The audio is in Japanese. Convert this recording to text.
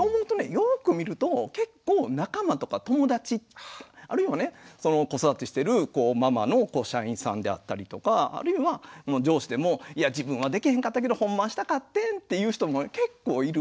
よく見ると結構仲間とか友達あるいはね子育てしてるママの社員さんであったりとかあるいは上司でもいや自分はできへんかったけどほんまはしたかってんっていう人も結構いる。